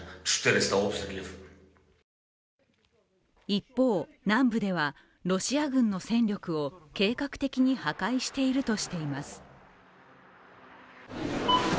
一方、南部ではロシア軍の戦力を計画的に破壊しているとしています。